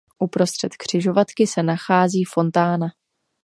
Uprostřed křižovatky se nachází fontána.